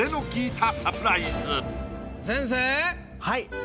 はい。